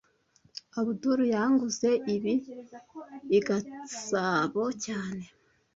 Abdul yanguze ibi i Gasabo cyane